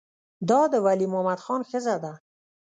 دا د ولی محمد خان ښځه ده.